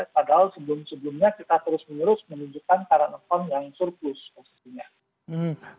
padahal sebelum sebelumnya kita terus menerus menunjukkan current economy yang surplus